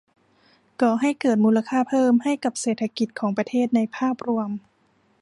ก่อให้เกิดมูลค่าเพิ่มให้กับเศรษฐกิจของประเทศในภาพรวม